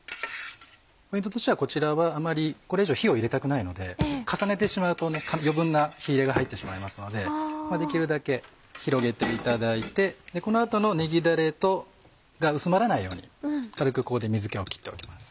ポイントとしてはこちらはこれ以上火を入れたくないので重ねてしまうと余分な火入れが入ってしまいますのでできるだけ広げていただいてこの後のねぎだれが薄まらないように軽くここで水気を切っておきます。